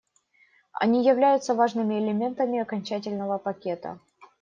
Они являются важными элементами окончательного пакета.